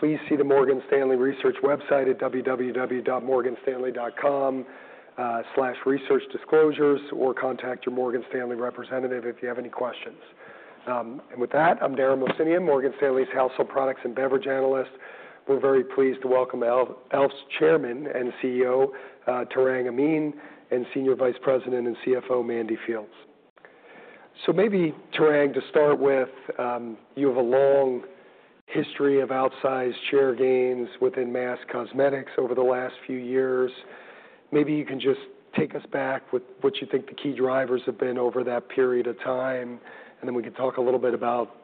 Please see the Morgan Stanley Research website at www.morganstanley.com/researchdisclosures or contact your Morgan Stanley representative if you have any questions. And with that, I'm Darren Mohsenian, Morgan Stanley's household products and beverage analyst. We're very pleased to welcome e.l.f. Beauty's Chairman and CEO, Tarang Amin, and Senior Vice President and CFO, Mandy Fields. So maybe, Tarang, to start with, you have a long history of outsized share gains within mass cosmetics over the last few years. Maybe you can just take us back with what you think the key drivers have been over that period of time, and then we can talk a little bit about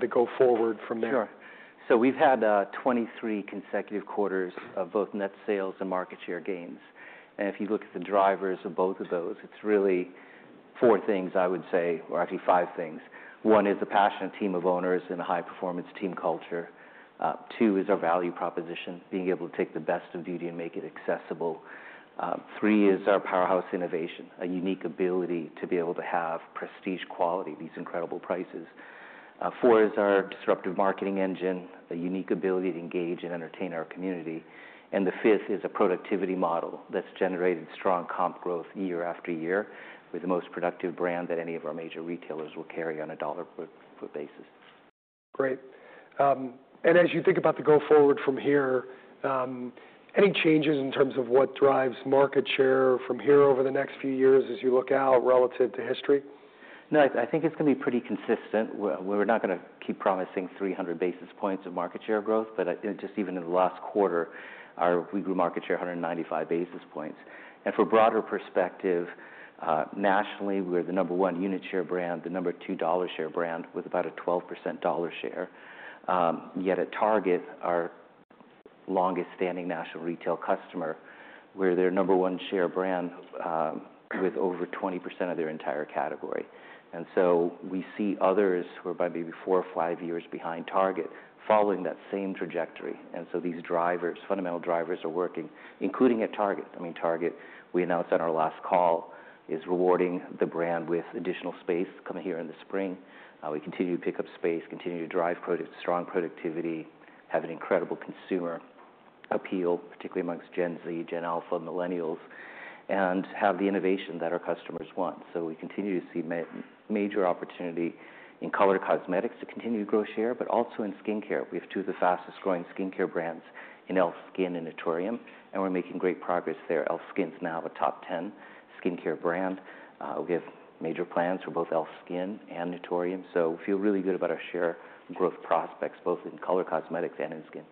the go-forward from there. Sure. So we've had 23 consecutive quarters of both net sales and market share gains. And if you look at the drivers of both of those, it's really four things, I would say, or actually five things. One is the passionate team of owners and a high-performance team culture. Two is our value proposition, being able to take the best of beauty and make it accessible. Three is our powerhouse innovation, a unique ability to be able to have prestige quality at these incredible prices. Four is our disruptive marketing engine, a unique ability to engage and entertain our community. And the fifth is a productivity model that's generated strong comp growth year after year with the most productive brand that any of our major retailers will carry on a dollar per basis. Great. And as you think about the go-forward from here, any changes in terms of what drives market share from here over the next few years as you look out relative to history? No. I think it's going to be pretty consistent. We're not going to keep promising 300 basis points of market share growth, but just even in the last quarter, our weekly market share was 195 basis points, and for a broader perspective, nationally, we're the number one unit share brand, the number two dollar share brand with about a 12% dollar share. Yet at Target, our longest-standing national retail customer, we're their number one share brand with over 20% of their entire category, and so we see others who are maybe four or five years behind Target following that same trajectory, and so these drivers, fundamental drivers, are working, including at Target. I mean, Target, we announced on our last call, is rewarding the brand with additional space coming here in the spring. We continue to pick up space, continue to drive strong productivity, have an incredible consumer appeal, particularly among Gen Z, Gen Alpha, Millennials, and have the innovation that our customers want. So we continue to see major opportunity in color cosmetics to continue to grow share, but also in skincare. We have two of the fastest-growing skincare brands in e.l.f. SKIN and Naturium, and we're making great progress there. e.l.f. SKIN's now a top 10 skincare brand. We have major plans for both e.l.f. SKIN and Naturium, so we feel really good about our share growth prospects both in color cosmetics and in skin.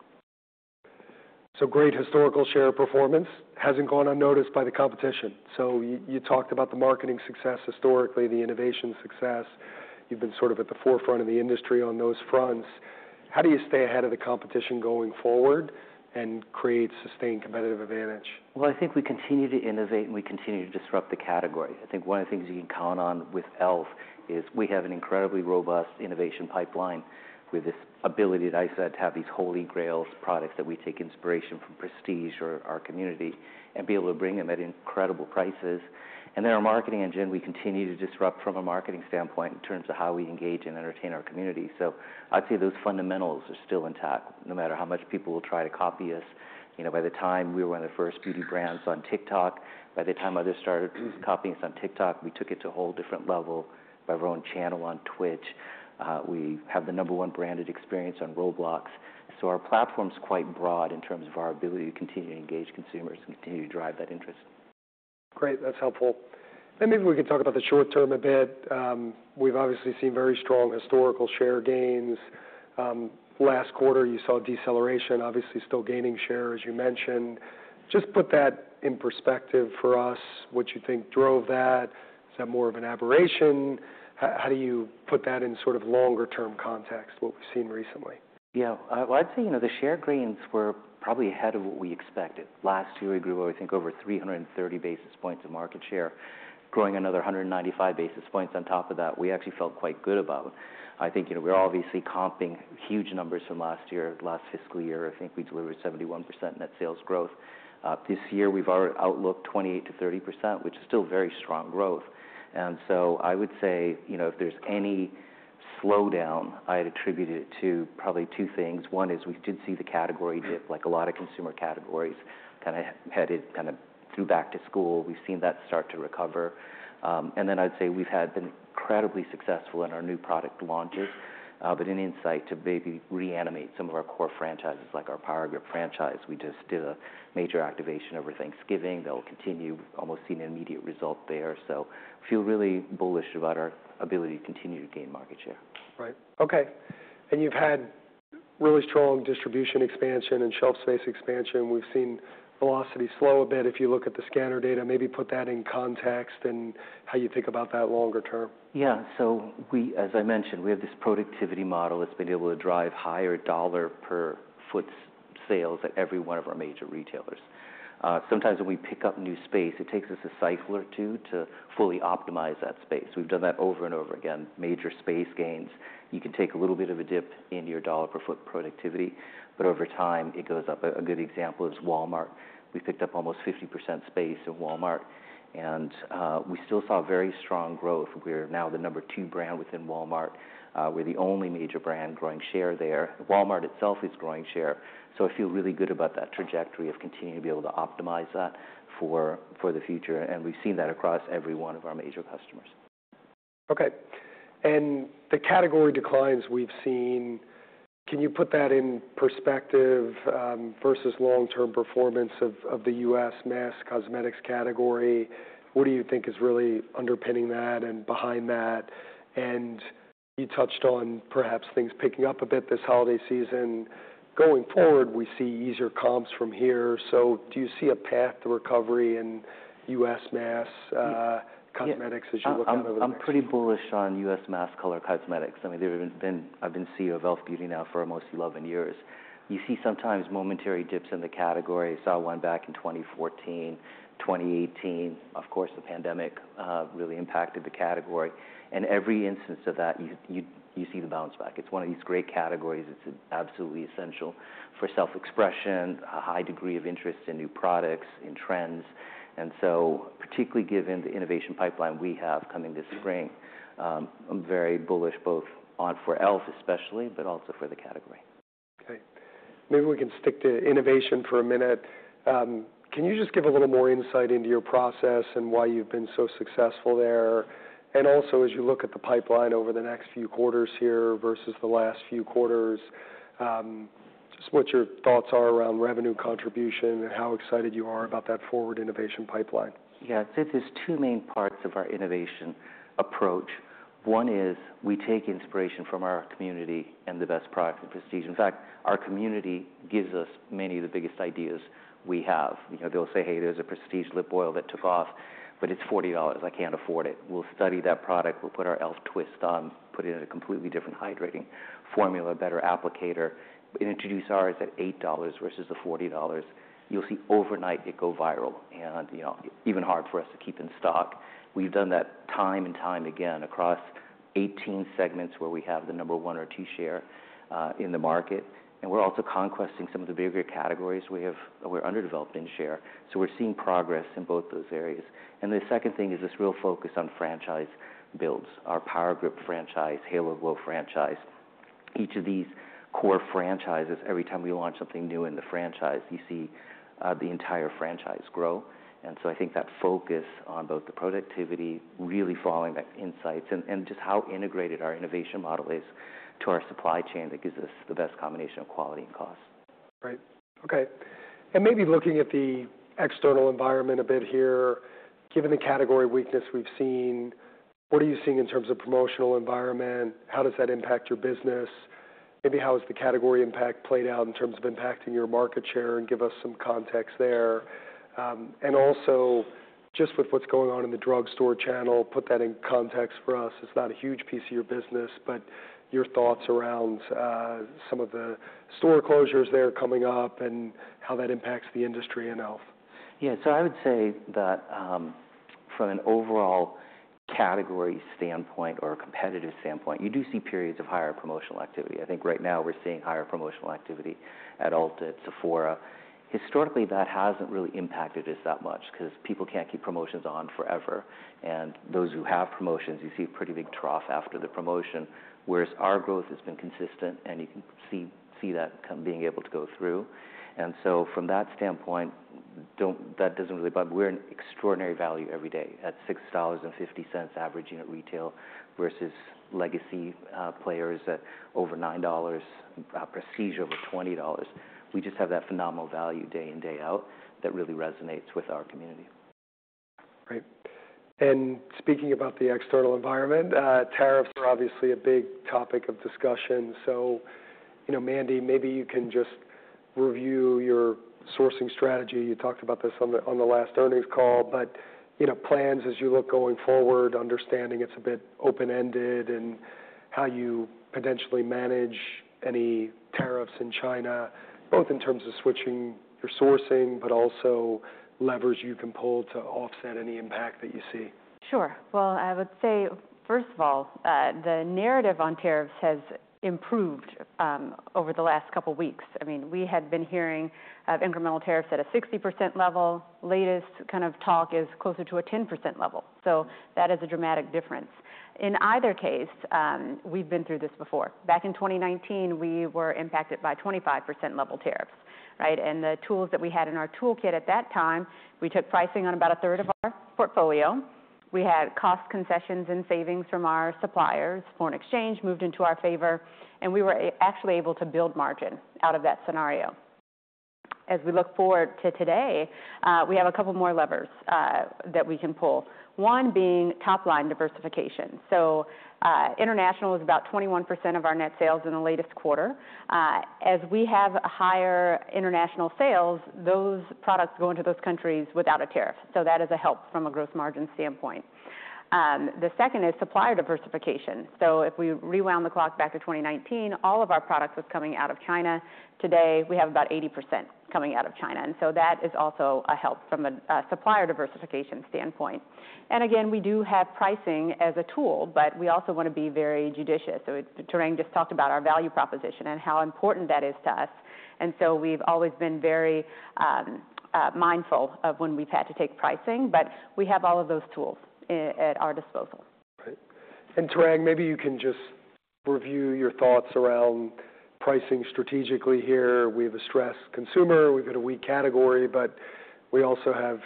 Great historical share performance hasn't gone unnoticed by the competition. You talked about the marketing success historically, the innovation success. You've been sort of at the forefront of the industry on those fronts. How do you stay ahead of the competition going forward and create sustained competitive advantage? I think we continue to innovate and we continue to disrupt the category. I think one of the things you can count on with e.l.f. is we have an incredibly robust innovation pipeline with this ability that I said to have these holy grail products that we take inspiration from, prestige or our community, and be able to bring them at incredible prices. Our marketing engine, we continue to disrupt from a marketing standpoint in terms of how we engage and entertain our community. I'd say those fundamentals are still intact no matter how much people will try to copy us. By the time we were one of the first beauty brands on TikTok, by the time others started copying us on TikTok, we took it to a whole different level by our own channel on Twitch. We have the number one branded experience on Roblox. So our platform's quite broad in terms of our ability to continue to engage consumers and continue to drive that interest. Great. That's helpful. And maybe we can talk about the short term a bit. We've obviously seen very strong historical share gains. Last quarter, you saw deceleration, obviously still gaining share, as you mentioned. Just put that in perspective for us, what you think drove that. Is that more of an aberration? How do you put that in sort of longer-term context, what we've seen recently? Yeah. Well, I'd say the share gains were probably ahead of what we expected. Last year, we grew, I think, over 330 basis points of market share, growing another 195 basis points on top of that. We actually felt quite good about it. I think we're obviously comping huge numbers from last year. Last fiscal year, I think we delivered 71% net sales growth. This year, we've outlooked 28%-30%, which is still very strong growth. And so I would say if there's any slowdown, I'd attribute it to probably two things. One is we did see the category dip, like a lot of consumer categories kind of headed kind of through back to school. We've seen that start to recover. Then I'd say we've been incredibly successful in our new product launches, but an insight to maybe reanimate some of our core franchises, like our Power Grip franchise. We just did a major activation over Thanksgiving. That will continue. Almost seen an immediate result there. So I feel really bullish about our ability to continue to gain market share. Right. Okay. And you've had really strong distribution expansion and shelf space expansion. We've seen velocity slow a bit if you look at the scanner data. Maybe put that in context and how you think about that longer term. Yeah, so as I mentioned, we have this productivity model that's been able to drive higher dollar per foot sales at every one of our major retailers. Sometimes when we pick up new space, it takes us a cycle or two to fully optimize that space. We've done that over and over again. Major space gains. You can take a little bit of a dip in your dollar per foot productivity, but over time it goes up. A good example is Walmart. We picked up almost 50% space in Walmart, and we still saw very strong growth. We're now the number two brand within Walmart. We're the only major brand growing share there. Walmart itself is growing share, so I feel really good about that trajectory of continuing to be able to optimize that for the future, and we've seen that across every one of our major customers. Okay. And the category declines we've seen, can you put that in perspective versus long-term performance of the U.S. mass cosmetics category? What do you think is really underpinning that and behind that? And you touched on perhaps things picking up a bit this holiday season. Going forward, we see easier comps from here. So do you see a path to recovery in U.S. mass cosmetics as you look at other? I'm pretty bullish on U.S. mass color cosmetics. I mean, I've been CEO of e.l.f. Beauty now for almost 11 years. You see sometimes momentary dips in the category. I saw one back in 2014, 2018. Of course, the pandemic really impacted the category. And every instance of that, you see the bounce back. It's one of these great categories. It's absolutely essential for self-expression, a high degree of interest in new products, in trends. And so particularly given the innovation pipeline we have coming this spring, I'm very bullish both on for e.l.f. especially, but also for the category. Okay. Maybe we can stick to innovation for a minute. Can you just give a little more insight into your process and why you've been so successful there, and also as you look at the pipeline over the next few quarters here versus the last few quarters, just what your thoughts are around revenue contribution and how excited you are about that forward innovation pipeline? Yeah. I'd say there's two main parts of our innovation approach. One is we take inspiration from our community and the best product in prestige. In fact, our community gives us many of the biggest ideas we have. They'll say, "Hey, there's a prestige lip oil that took off, but it's $40. I can't afford it." We'll study that product. We'll put our e.l.f. twist on, put it in a completely different hydrating formula, a better applicator, and introduce ours at $8 versus the $40. You'll see overnight it go viral and even hard for us to keep in stock. We've done that time and time again across 18 segments where we have the number one or two share in the market. And we're also conquesting some of the bigger categories. We're underdeveloped in share, so we're seeing progress in both those areas. And the second thing is this real focus on franchise builds, our Power Grip franchise, Halo Glow franchise. Each of these core franchises, every time we launch something new in the franchise, you see the entire franchise grow, and so I think that focus on both the productivity, really following that insights, and just how integrated our innovation model is to our supply chain that gives us the best combination of quality and cost. Right. Okay. And maybe looking at the external environment a bit here, given the category weakness we've seen, what are you seeing in terms of promotional environment? How does that impact your business? Maybe how has the category impact played out in terms of impacting your market share? And give us some context there. And also just with what's going on in the drugstore channel, put that in context for us. It's not a huge piece of your business, but your thoughts around some of the store closures there coming up and how that impacts the industry and e.l.f.? Yeah. So I would say that from an overall category standpoint or a competitive standpoint, you do see periods of higher promotional activity. I think right now we're seeing higher promotional activity at Ulta, at Sephora. Historically, that hasn't really impacted us that much because people can't keep promotions on forever, and those who have promotions, you see a pretty big trough after the promotion, whereas our growth has been consistent, and you can see that being able to go through, and so from that standpoint, that doesn't really bother us. We're an extraordinary value every day at $6.50 average unit retail versus legacy players at over $9, prestige over $20. We just have that phenomenal value day in, day out that really resonates with our community. Great. And speaking about the external environment, tariffs are obviously a big topic of discussion. So Mandy, maybe you can just review your sourcing strategy. You talked about this on the last earnings call, but plans as you look going forward, understanding it's a bit open-ended and how you potentially manage any tariffs in China, both in terms of switching your sourcing, but also levers you can pull to offset any impact that you see? Sure. Well, I would say, first of all, the narrative on tariffs has improved over the last couple of weeks. I mean, we had been hearing of incremental tariffs at a 60% level. Latest kind of talk is closer to a 10% level. So that is a dramatic difference. In either case, we've been through this before. Back in 2019, we were impacted by 25% level tariffs, right? And the tools that we had in our toolkit at that time, we took pricing on about a third of our portfolio. We had cost concessions and savings from our suppliers. Foreign exchange moved into our favor, and we were actually able to build margin out of that scenario. As we look forward to today, we have a couple more levers that we can pull. One being top-line diversification. So international was about 21% of our net sales in the latest quarter. As we have higher international sales, those products go into those countries without a tariff. So that is a help from a gross margin standpoint. The second is supplier diversification. So if we rewound the clock back to 2019, all of our products was coming out of China. Today, we have about 80% coming out of China. And so that is also a help from a supplier diversification standpoint. And again, we do have pricing as a tool, but we also want to be very judicious. So Tarang just talked about our value proposition and how important that is to us. And so we've always been very mindful of when we've had to take pricing, but we have all of those tools at our disposal. Right. And Tarang, maybe you can just review your thoughts around pricing strategically here. We have a stressed consumer. We've got a weak category, but we also have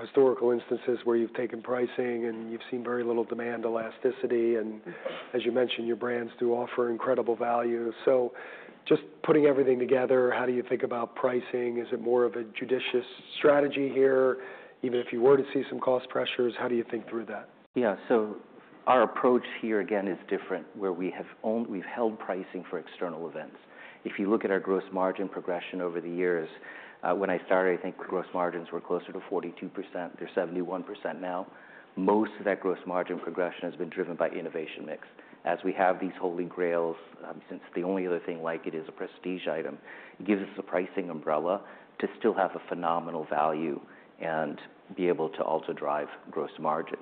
historical instances where you've taken pricing and you've seen very little demand elasticity. And as you mentioned, your brands do offer incredible value. So just putting everything together, how do you think about pricing? Is it more of a judicious strategy here? Even if you were to see some cost pressures, how do you think through that? Yeah. So our approach here again is different where we've held pricing for external events. If you look at our gross margin progression over the years, when I started, I think gross margins were closer to 42%. They're 71% now. Most of that gross margin progression has been driven by innovation mix. As we have these holy grails, since the only other thing like it is a prestige item, it gives us a pricing umbrella to still have a phenomenal value and be able to also drive gross margin.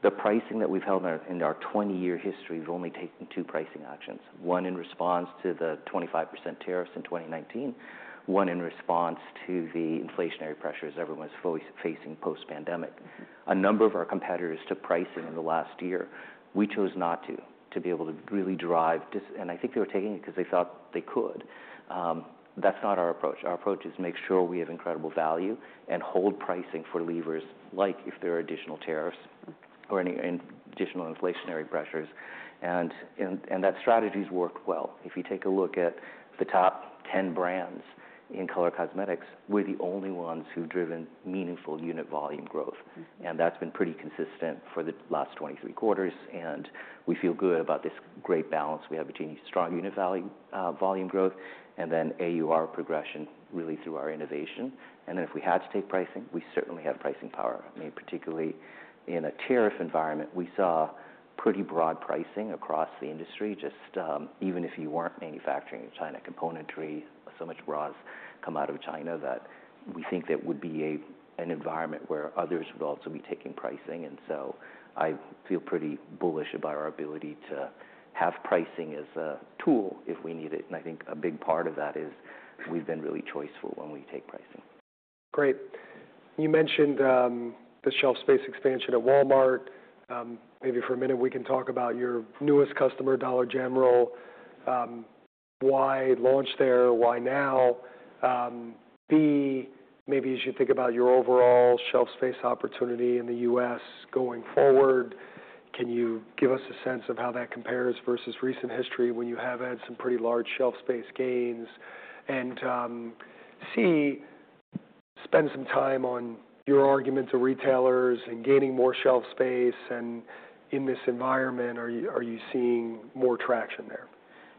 The pricing that we've held in our 20-year history, we've only taken two pricing actions. One in response to the 25% tariffs in 2019, one in response to the inflationary pressures everyone's facing post-pandemic. A number of our competitors took pricing in the last year. We chose not to, to be able to really drive. I think they were taking it because they thought they could. That's not our approach. Our approach is make sure we have incredible value and hold pricing for levers like if there are additional tariffs or any additional inflationary pressures. That strategy has worked well. If you take a look at the top 10 brands in color cosmetics, we're the only ones who've driven meaningful unit volume growth. That's been pretty consistent for the last 23 quarters. We feel good about this great balance we have between strong unit volume growth and then AUR progression really through our innovation. If we had to take pricing, we certainly have pricing power. I mean, particularly in a tariff environment, we saw pretty broad pricing across the industry. Just even if you weren't manufacturing in China, componentry, so much raw has come out of China that we think that would be an environment where others would also be taking pricing. And so I feel pretty bullish about our ability to have pricing as a tool if we need it. And I think a big part of that is we've been really choiceful when we take pricing. Great. You mentioned the shelf space expansion at Walmart. Maybe for a minute, we can talk about your newest customer, Dollar General. Why launch there? Why now? B. Maybe as you think about your overall shelf space opportunity in the U.S. going forward, can you give us a sense of how that compares versus recent history when you have had some pretty large shelf space gains? And C. Spend some time on your argument to retailers and gaining more shelf space. And in this environment, are you seeing more traction there?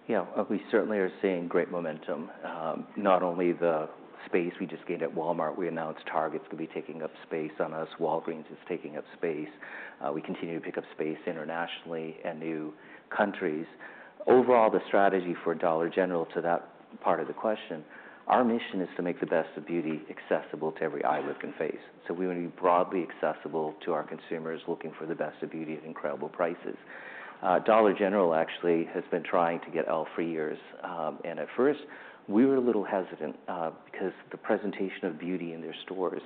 Yeah. We certainly are seeing great momentum. Not only the space we just gained at Walmart, we announced Target's going to be taking up space on us. Walgreens is taking up space. We continue to pick up space internationally and new countries. Overall, the strategy for Dollar General, to that part of the question, our mission is to make the best of beauty accessible to every eye, lip, and face. So we want to be broadly accessible to our consumers looking for the best of beauty at incredible prices. Dollar General actually has been trying to get e.l.f. for years, and at first, we were a little hesitant because the presentation of beauty in their stores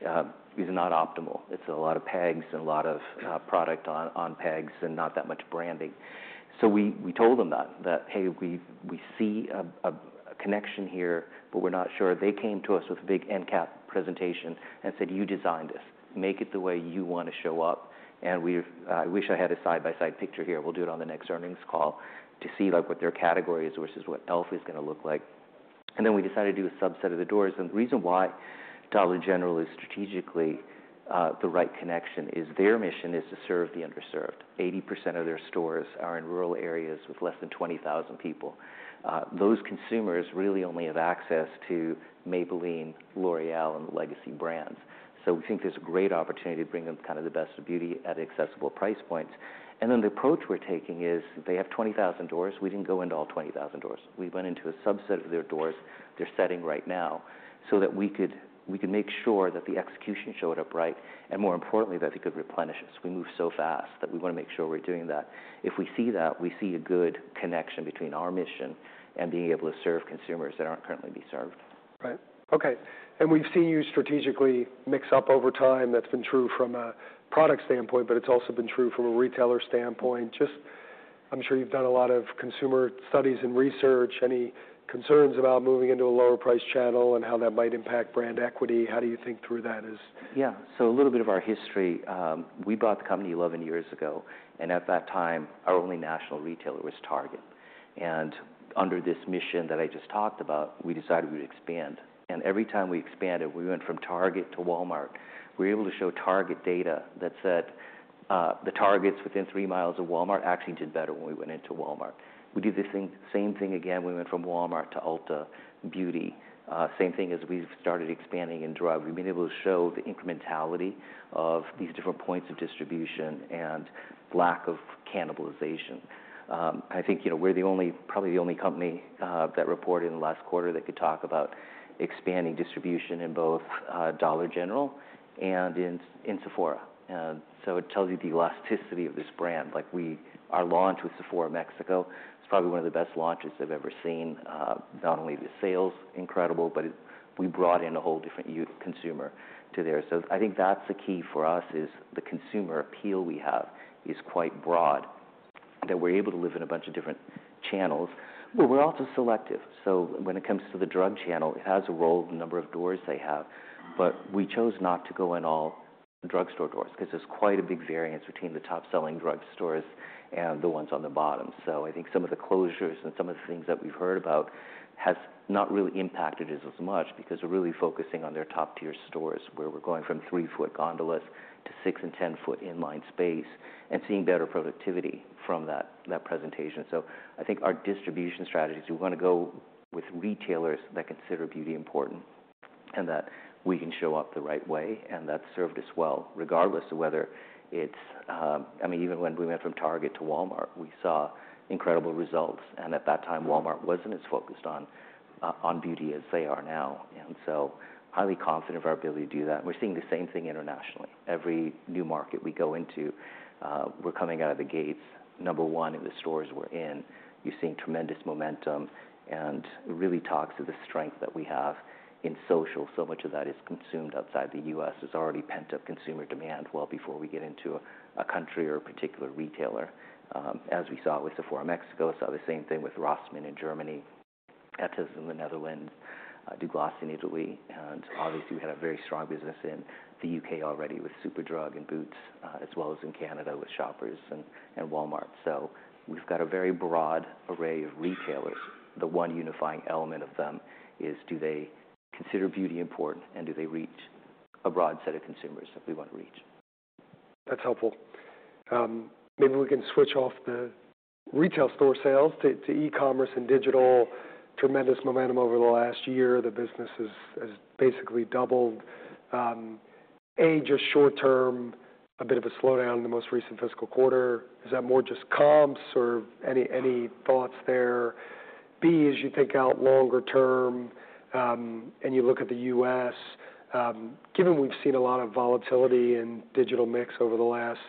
is not optimal. It's a lot of pegs and a lot of product on pegs and not that much branding. We told them that, "Hey, we see a connection here, but we're not sure." They came to us with a big end cap presentation and said, "You design this. Make it the way you want to show up." And I wish I had a side-by-side picture here. We'll do it on the next earnings call to see what their category is versus what e.l.f. is going to look like. And then we decided to do a subset of the doors. And the reason why Dollar General is strategically the right connection is their mission is to serve the underserved. 80% of their stores are in rural areas with less than 20,000 people. Those consumers really only have access to Maybelline, L'Oréal, and legacy brands. We think there's a great opportunity to bring them kind of the best of beauty at accessible price points. And then the approach we're taking is they have 20,000 doors. We didn't go into all 20,000 doors. We went into a subset of their doors, their setting right now, so that we could make sure that the execution showed up right and more importantly, that they could replenish us. We move so fast that we want to make sure we're doing that. If we see that, we see a good connection between our mission and being able to serve consumers that aren't currently being served. Right. Okay, and we've seen you strategically mix up over time. That's been true from a product standpoint, but it's also been true from a retailer standpoint. Just, I'm sure you've done a lot of consumer studies and research. Any concerns about moving into a lower price channel and how that might impact brand equity? How do you think through that? Yeah. So a little bit of our history. We bought the company 11 years ago. And at that time, our only national retailer was Target. And under this mission that I just talked about, we decided we would expand. And every time we expanded, we went from Target to Walmart. We were able to show Target data that said the Targets within three miles of Walmart actually did better when we went into Walmart. We did the same thing again. We went from Walmart to Ulta Beauty. Same thing as we've started expanding in drugs. We've been able to show the incrementality of these different points of distribution and lack of cannibalization. I think we're probably the only company that reported in the last quarter that could talk about expanding distribution in both Dollar General and in Sephora. So it tells you the elasticity of this brand. Our launch with Sephora Mexico is probably one of the best launches I've ever seen. Not only the sales incredible, but we brought in a whole different consumer to there. So I think that's the key for us, the consumer appeal we have is quite broad, that we're able to live in a bunch of different channels. But we're also selective. So when it comes to the drug channel, it has a role in the number of doors they have. But we chose not to go in all drugstore doors because there's quite a big variance between the top-selling drugstores and the ones on the bottom. So I think some of the closures and some of the things that we've heard about have not really impacted us as much because we're really focusing on their top-tier stores where we're going from three-foot gondolas to six and ten-foot inline space and seeing better productivity from that presentation. So I think our distribution strategies, we want to go with retailers that consider beauty important and that we can show up the right way. And that's served us well regardless of whether it's I mean, even when we went from Target to Walmart, we saw incredible results. And at that time, Walmart wasn't as focused on beauty as they are now. And so highly confident of our ability to do that. We're seeing the same thing internationally. Every new market we go into, we're coming out of the gates number one in the stores we're in. You're seeing tremendous momentum. And it really talks to the strength that we have in social. So much of that is consumed outside the U.S. It's already pent-up consumer demand well before we get into a country or a particular retailer. As we saw with Sephora Mexico, saw the same thing with Rossmann in Germany, Etos in the Netherlands, Douglas in Italy. And obviously, we had a very strong business in the U.K. already with Superdrug and Boots, as well as in Canada with Shoppers and Walmart. So we've got a very broad array of retailers. The one unifying element of them is do they consider beauty important and do they reach a broad set of consumers that we want to reach? That's helpful. Maybe we can switch off the retail store sales to e-commerce and digital. Tremendous momentum over the last year. The business has basically doubled. A. Just short-term, a bit of a slowdown in the most recent fiscal quarter. Is that more just comps or any thoughts there? B. As you think out longer term and you look at the U.S., given we've seen a lot of volatility in digital mix over the last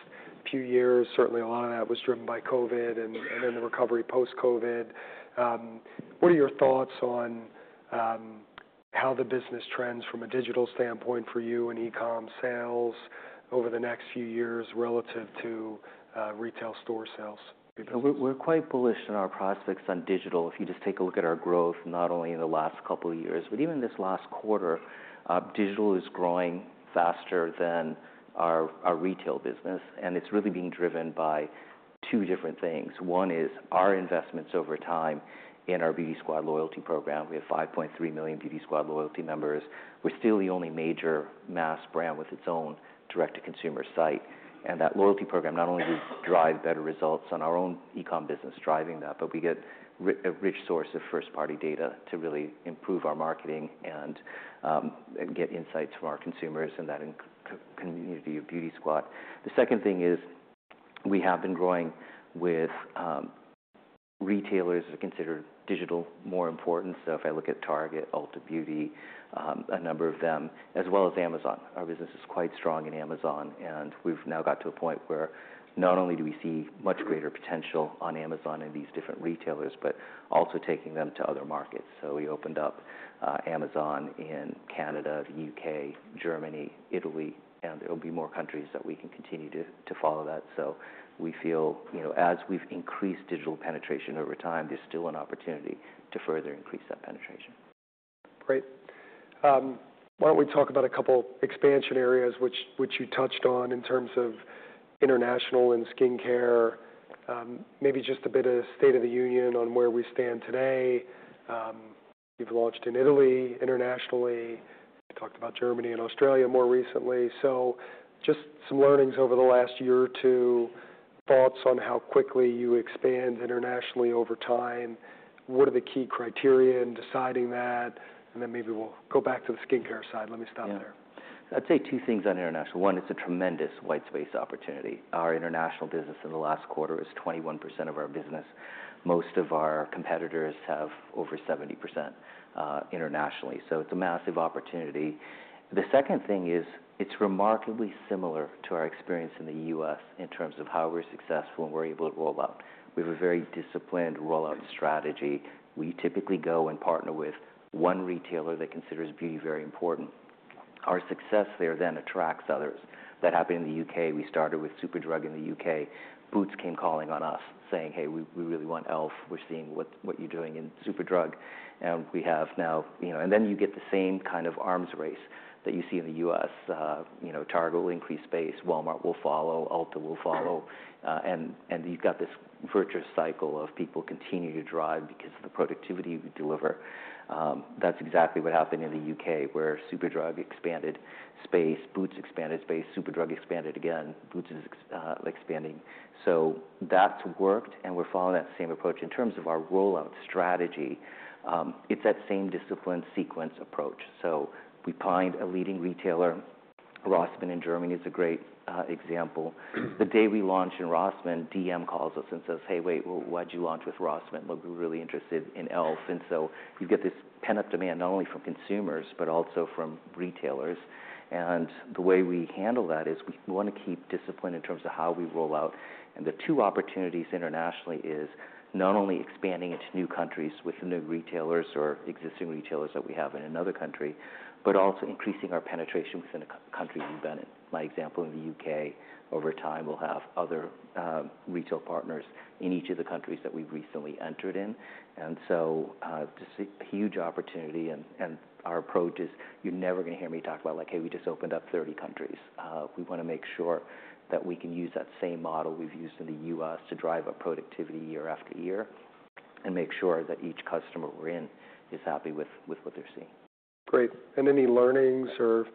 few years, certainly a lot of that was driven by COVID and then the recovery post-COVID. What are your thoughts on how the business trends from a digital standpoint for you and e-com sales, over the next few years relative to retail store sales? We're quite bullish on our prospects on digital. If you just take a look at our growth, not only in the last couple of years, but even this last quarter, digital is growing faster than our retail business. And it's really being driven by two different things. One is our investments over time in our Beauty Squad loyalty program. We have 5.3 million Beauty Squad loyalty members. We're still the only major mass brand with its own direct-to-consumer site. And that loyalty program not only will drive better results on our own e-com business driving that, but we get a rich source of first-party data to really improve our marketing and get insights from our consumers and that community of Beauty Squad. The second thing is we have been growing with retailers that consider digital more important. So if I look at Target, Ulta Beauty, a number of them, as well as Amazon. Our business is quite strong in Amazon. And we've now got to a point where not only do we see much greater potential on Amazon and these different retailers, but also taking them to other markets. So we opened up Amazon in Canada, the U.K., Germany, Italy, and there will be more countries that we can continue to follow that. So we feel as we've increased digital penetration over time, there's still an opportunity to further increase that penetration. Great. Why don't we talk about a couple of expansion areas which you touched on in terms of international and skincare? Maybe just a bit of state of the union on where we stand today. You've launched in Italy internationally. You talked about Germany and Australia more recently. So just some learnings over the last year or two, thoughts on how quickly you expand internationally over time. What are the key criteria in deciding that? And then maybe we'll go back to the skincare side. Let me stop there. I'd say two things on international. One, it's a tremendous white space opportunity. Our international business in the last quarter is 21% of our business. Most of our competitors have over 70% internationally. So it's a massive opportunity. The second thing is it's remarkably similar to our experience in the U.S. in terms of how we're successful and we're able to roll out. We have a very disciplined rollout strategy. We typically go and partner with one retailer that considers beauty very important. Our success there then attracts others. That happened in the U.K. We started with Superdrug in the U.K. Boots came calling on us saying, "Hey, we really want e.l.f. We're seeing what you're doing in Superdrug," and we have now and then you get the same kind of arms race that you see in the U.S. Target will increase space. Walmart will follow. Ulta will follow. And you've got this virtuous cycle of people continuing to drive because of the productivity we deliver. That's exactly what happened in the U.K., where Superdrug expanded space. Boots expanded space. Superdrug expanded again. Boots is expanding. So that's worked. And we're following that same approach in terms of our rollout strategy. It's that same discipline sequence approach. So we find a leading retailer. Rossmann in Germany is a great example. The day we launch in Rossmann, dm calls us and says, "Hey, wait, why did you launch with Rossmann? We're really interested in e.l.f." And so you get this pent-up demand not only from consumers, but also from retailers. And the way we handle that is we want to keep discipline in terms of how we roll out. The two opportunities internationally is not only expanding into new countries with new retailers or existing retailers that we have in another country, but also increasing our penetration within a country we've been in. My example in the U.K., over time, we'll have other retail partners in each of the countries that we've recently entered in. So just a huge opportunity. Our approach is you're never going to hear me talk about like, "Hey, we just opened up 30 countries." We want to make sure that we can use that same model we've used in the U.S. to drive up productivity year after year and make sure that each customer we're in is happy with what they're seeing. Great. And any learnings or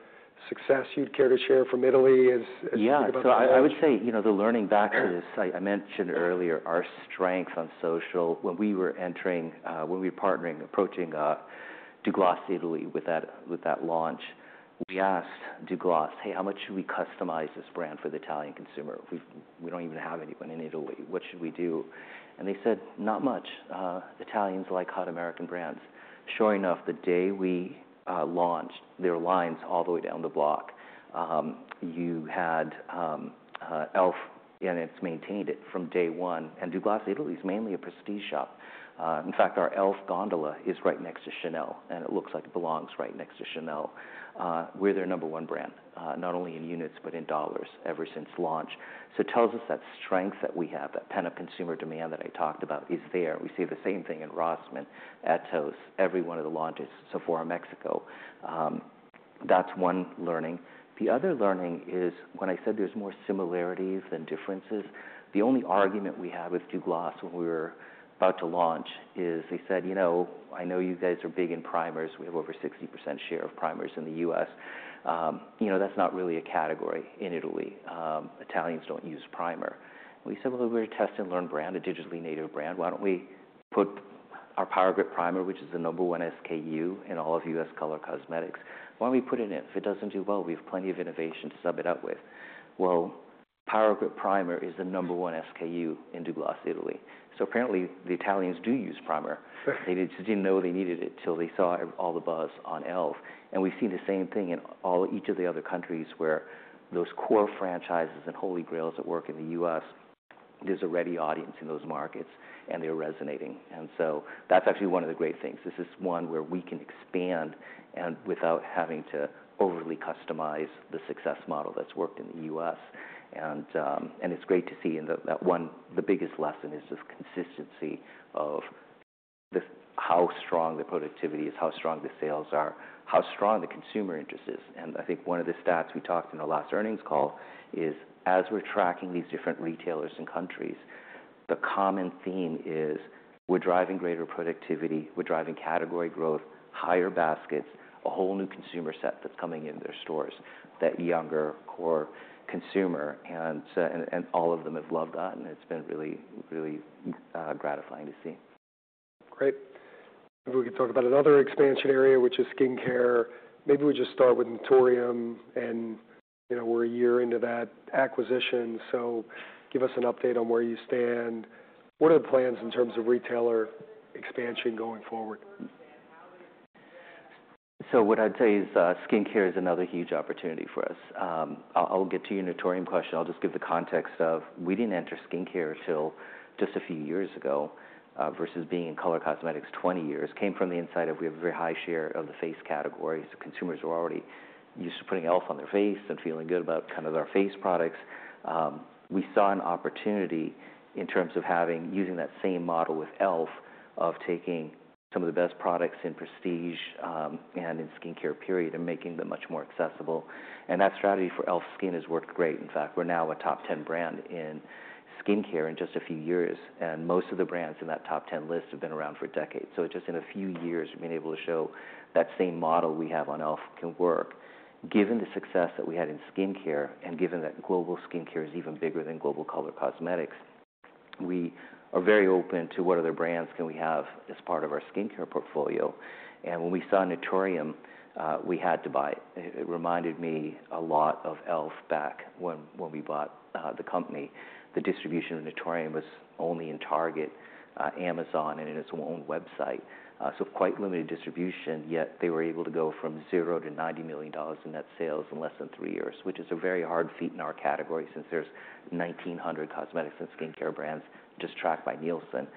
success you'd care to share from Italy as you think about that? Yeah, so I would say the learning back to this I mentioned earlier, our strength on social. When we were entering, when we were partnering, approaching Douglas Italy with that launch, we asked Douglas, "Hey, how much should we customize this brand for the Italian consumer? We don't even have anyone in Italy. What should we do?" And they said, "Not much. Italians like hot American brands." Sure enough, the day we launched, there were lines all the way down the block. You had e.l.f. and it's maintained it from day one, and Douglas Italy is mainly a prestige shop. In fact, our e.l.f. gondola is right next to Chanel, and it looks like it belongs right next to Chanel. We're their number one brand, not only in units, but in dollars ever since launch. So it tells us that strength that we have, that pent-up consumer demand that I talked about is there. We see the same thing in Rossmann, Etos, every one of the launches, Sephora Mexico. That's one learning. The other learning is when I said there's more similarities than differences, the only argument we had with Douglas when we were about to launch is they said, "You know, I know you guys are big in primers. We have over 60% share of primers in the U.S. That's not really a category in Italy. Italians don't use primer." We said, "Well, we're a test and learn brand, a digitally native brand. Why don't we put our Power Grip Primer, which is the number one SKU in all of U.S. color cosmetics, why don't we put it in? If it doesn't do well, we have plenty of innovation to sub it up with." Well, Power Grip Primer is the number one SKU in Douglas Italy, so apparently, the Italians do use primer. They just didn't know they needed it until they saw all the buzz on e.l.f., and we've seen the same thing in each of the other countries where those core franchises and holy grails that work in the U.S., there's a ready audience in those markets and they're resonating, and so that's actually one of the great things. This is one where we can expand without having to overly customize the success model that's worked in the U.S., and it's great to see that the biggest lesson is just consistency of how strong the productivity is, how strong the sales are, how strong the consumer interest is. And I think one of the stats we talked in our last earnings call is as we're tracking these different retailers and countries, the common theme is we're driving greater productivity. We're driving category growth, higher baskets, a whole new consumer set that's coming into their stores, that younger core consumer. And all of them have loved that. And it's been really, really gratifying to see. Great. Maybe we could talk about another expansion area, which is skincare. Maybe we just start with Naturium and we're a year into that acquisition. So give us an update on where you stand. What are the plans in terms of retailer expansion going forward? What I'd say is skincare is another huge opportunity for us. I'll get to your Naturium question. I'll just give the context of we didn't enter skincare until just a few years ago versus being in color cosmetics 20 years. Came from the insight of we have a very high share of the face category. Consumers were already used to putting e.l.f. on their face and feeling good about kind of our face products. We saw an opportunity in terms of using that same model with e.l.f. of taking some of the best products in prestige and in skincare, period, and making them much more accessible. That strategy for e.l.f. SKIN has worked great. In fact, we're now a top 10 brand in skincare in just a few years. Most of the brands in that top 10 list have been around for decades. So just in a few years, we've been able to show that same model we have on e.l.f. can work. Given the success that we had in skincare and given that global skincare is even bigger than global color cosmetics, we are very open to what other brands can we have as part of our skincare portfolio. And when we saw Naturium, we had to buy it. It reminded me a lot of e.l.f. back when we bought the company. The distribution of Naturium was only in Target, Amazon, and in its own website. So quite limited distribution, yet they were able to go from $0 to $90 million in net sales in less than three years, which is a very hard feat in our category since there's 1,900 cosmetics and skincare brands just tracked by Nielsen.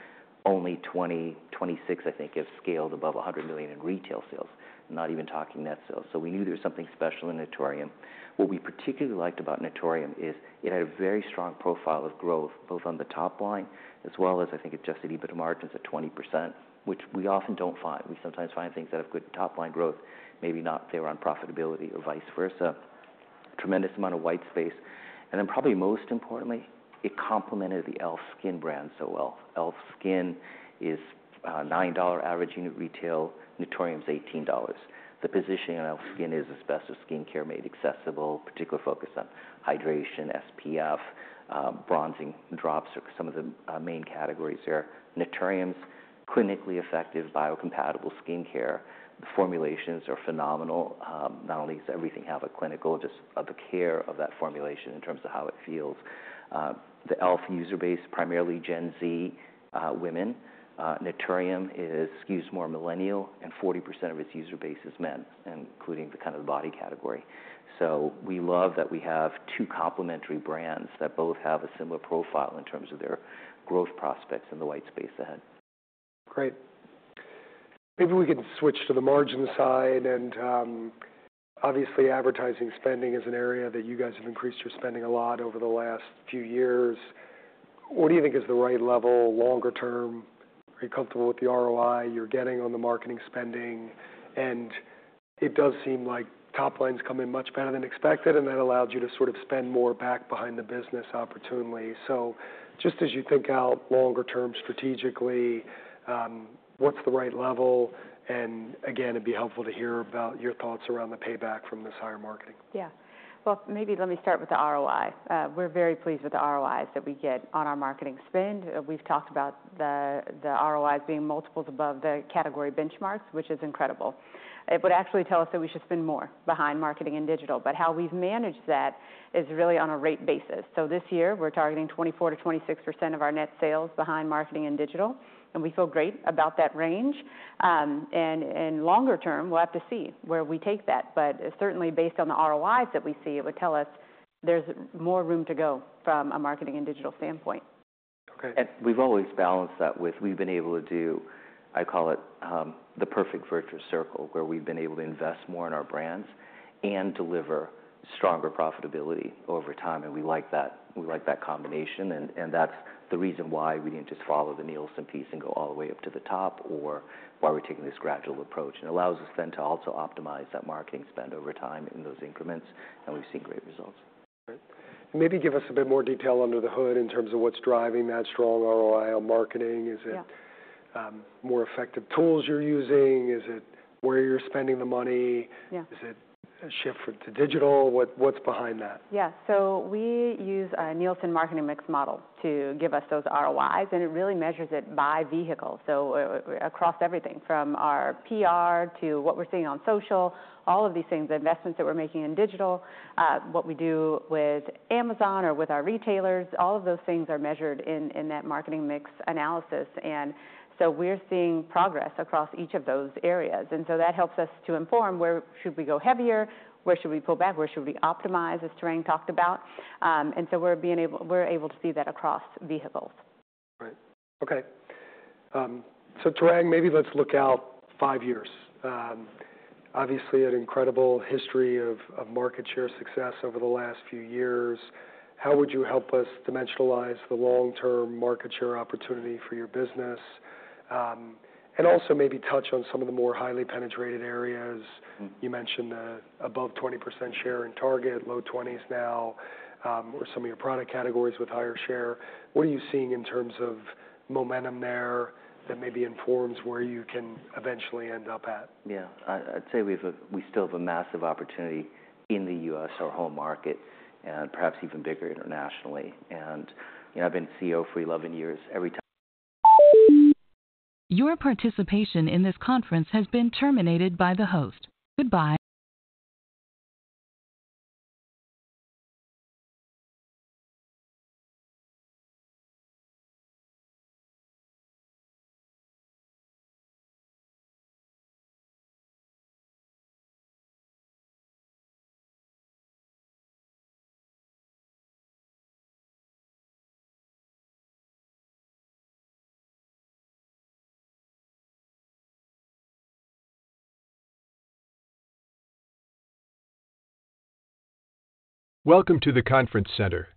Only 26, I think, have scaled above $100 million in retail sales, not even talking net sales. So we knew there was something special in Naturium. What we particularly liked about Naturium is it had a very strong profile of growth, both on the top line as well as I think it just had EBITDA margins at 20%, which we often don't find. We sometimes find things that have good top line growth, maybe not there on profitability or vice versa. Tremendous amount of white space, and then probably most importantly, it complemented the e.l.f. SKIN brand so well. e.l.f. SKIN is $9 average unit retail. Naturium's $18. The positioning on e.l.f. SKIN is as best as skincare made accessible, particular focus on hydration, SPF, bronzing drops are some of the main categories there. Naturium's clinically effective biocompatible skincare. The formulations are phenomenal. Not only does everything have a clinical justification of the care of that formulation in terms of how it feels. The e.l.f. user base is primarily Gen Z women. Naturium skews more Millennial and 40% of its user base is men, including in the body category. So we love that we have two complementary brands that both have a similar profile in terms of their growth prospects in the white space ahead. Great. Maybe we can switch to the margin side. And obviously, advertising spending is an area that you guys have increased your spending a lot over the last few years. What do you think is the right level longer term? Are you comfortable with the ROI you're getting on the marketing spending? And it does seem like top lines come in much better than expected, and that allowed you to sort of spend more back behind the business opportunely. So just as you think out longer term strategically, what's the right level? And again, it'd be helpful to hear about your thoughts around the payback from this higher marketing. Yeah. Well, maybe let me start with the ROI. We're very pleased with the ROIs that we get on our marketing spend. We've talked about the ROIs being multiples above the category benchmarks, which is incredible. It would actually tell us that we should spend more behind marketing and digital. But how we've managed that is really on a rate basis. So this year, we're targeting 24%-26% of our net sales behind marketing and digital. And we feel great about that range. And in longer term, we'll have to see where we take that. But certainly, based on the ROIs that we see, it would tell us there's more room to go from a marketing and digital standpoint. And we've always balanced that with we've been able to do, I call it the perfect virtuous circle, where we've been able to invest more in our brands and deliver stronger profitability over time. And we like that combination. And that's the reason why we didn't just follow the Nielsen piece and go all the way up to the top, or why we're taking this gradual approach. And it allows us then to also optimize that marketing spend over time in those increments. And we've seen great results. Great. Maybe give us a bit more detail under the hood in terms of what's driving that strong ROI on marketing. Is it more effective tools you're using? Is it where you're spending the money? Is it a shift to digital? What's behind that? Yeah. So we use a Nielsen marketing mix model to give us those ROIs. And it really measures it by vehicles. So across everything from our PR to what we're seeing on social, all of these things, the investments that we're making in digital, what we do with Amazon or with our retailers, all of those things are measured in that marketing mix analysis. And so we're seeing progress across each of those areas. And so that helps us to inform where should we go heavier, where should we pull back, where should we optimize as Tarang talked about. And so we're able to see that across vehicles. Great. Okay. So Tarang, maybe let's look out five years. Obviously, an incredible history of market share success over the last few years. How would you help us dimensionalize the long-term market share opportunity for your business? And also maybe touch on some of the more highly penetrated areas. You mentioned the above 20% share in Target, low 20s% now, or some of your product categories with higher share. What are you seeing in terms of momentum there that maybe informs where you can eventually end up at? Yeah. I'd say we still have a massive opportunity in the U.S., our home market, and perhaps even bigger internationally. And I've been CEO for 11 years. Every. Your participation in this conference has been terminated by the host. Goodbye. Welcome to the conference center.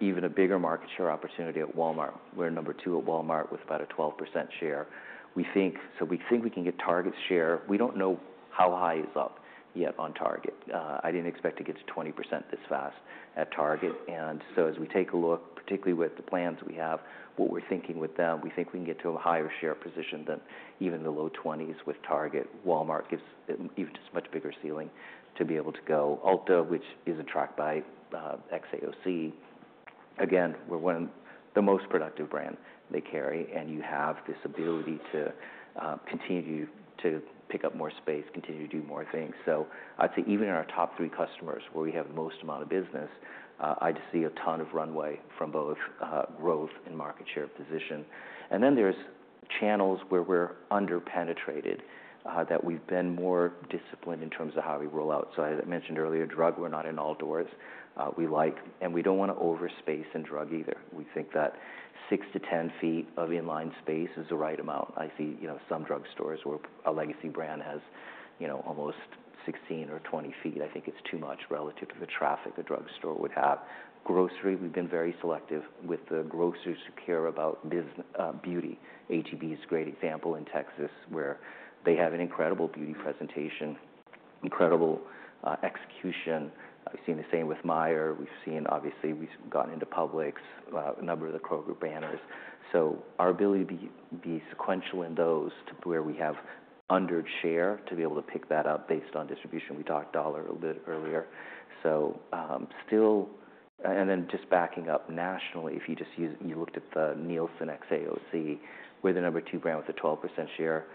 Even a bigger market share opportunity at Walmart. We're number two at Walmart with about a 12% share. We think we can get Target's share. We don't know how high it's up yet on Target. I didn't expect to get to 20% this fast at Target. And so as we take a look, particularly with the plans we have, what we're thinking with them, we think we can get to a higher share position than even the low 20s with Target. Walmart gives even just a much bigger ceiling to be able to go. Ulta, which isn't tracked by XAOC, again, we're one of the most productive brands they carry. And you have this ability to continue to pick up more space, continue to do more things. So I'd say even in our top three customers where we have the most amount of business, I just see a ton of runway from both growth and market share position. And then there's channels where we're underpenetrated that we've been more disciplined in terms of how we roll out. So as I mentioned earlier, drug, we're not in all doors. We like, and we don't want to overspace in drug either. We think that 6 to 10 feet of inline space is the right amount. I see some drugstores where a legacy brand has almost 16 or 20 feet. I think it's too much relative to the traffic a drugstore would have. Grocery, we've been very selective with the grocers who care about beauty. H-E-B is a great example in Texas where they have an incredible beauty presentation, incredible execution. We've seen the same with Meijer. We've seen, obviously, we've gotten into Publix, a number of the Kroger banners, so our ability to be sequential in those to where we have under share to be able to pick that up based on distribution. We talked dollar a little bit earlier, so still, and then just backing up nationally, if you just looked at the Nielsen XAOC, we're the number two brand with a 12% share.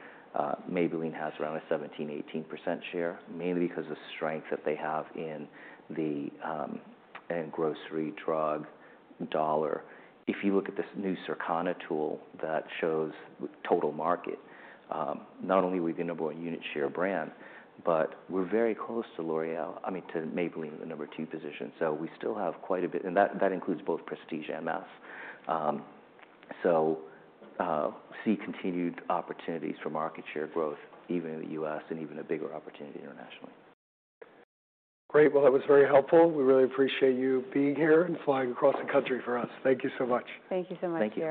Maybelline has around a 17%-18% share, mainly because of the strength that they have in grocery, drug, dollar. If you look at this new Circana tool that shows total market, not only were we the number one unit share brand, but we're very close to L'Oréal, I mean, to Maybelline in the number two position, so we still have quite a bit, and that includes both Prestige and MS. So we see continued opportunities for market share growth, even in the U.S., and even a bigger opportunity internationally. Great. Well, that was very helpful. We really appreciate you being here and flying across the country for us. Thank you so much. Thank you so much. Thank you.